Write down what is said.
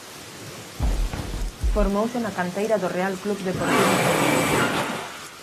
Formouse na canteira do Real Club Deportivo Fabril.